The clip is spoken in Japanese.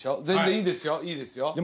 全然いいですよいいですよ。